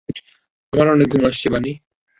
আমার অনেক ঘুম আসছে, বানি!